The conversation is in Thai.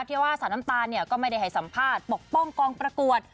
ที่ว่าสาวน้ำตาลก็ไม่ได้ให้สัมภาษณ์ปกป้องกองประกวด